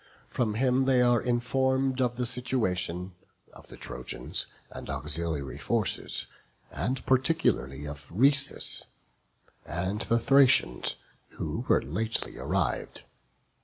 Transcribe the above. From him they are informed of the situation of the Trojans and auxiliary forces, and particularly of Rhesus, and the Thracians, who were lately arrived.